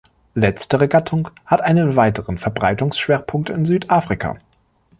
Letztere Gattung hat einen weiteren Verbreitungsschwerpunkt in Südafrika.